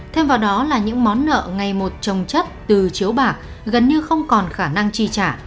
thêm vào đó là những món nợ ngày một trồng chất từ chiếu bạc gần như không còn khả năng chi trả